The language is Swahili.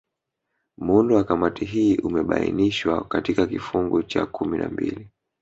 Muundo wa Kamati hii umebainishwa katika kifungu cha kumi na mbili